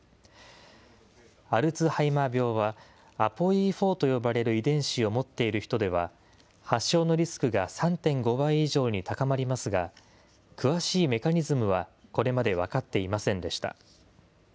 アルツハイマー病は、ＡＰＯＥ４と呼ばれる遺伝子を持っている人では、発症のリスクが３．５倍以上に高まりますが、詳しいメカニズムはこれまで分かっていませんでした。